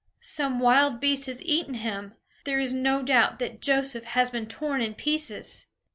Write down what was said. Some wild beast has eaten him. There is no doubt that Joseph has been torn in pieces!"